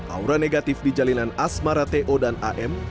aura negatif di jalinan asmara to dan am